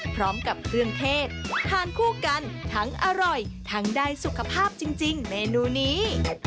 พร้อมกับเครื่องเทศทานคู่กันทั้งอร่อยทั้งได้สุขภาพจริงเมนูนี้